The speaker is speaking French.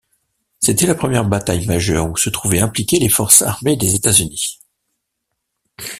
C'était la première bataille majeure où se trouvaient impliqués les forces armées des États-Unis.